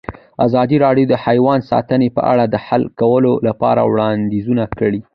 ازادي راډیو د حیوان ساتنه په اړه د حل کولو لپاره وړاندیزونه کړي.